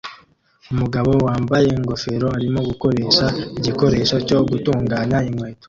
Umugabo wambaye ingofero arimo gukoresha igikoresho cyo gutunganya inkweto